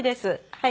はい。